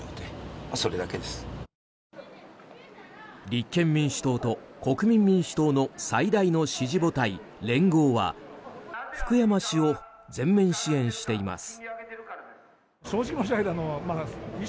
立憲民主党と国民民主党の最大の支持母体、連合は福山氏を全面支援しています。